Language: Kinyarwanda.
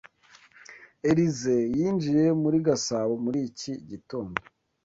Elyse yinjiye muri Gasabo muri iki gitondo.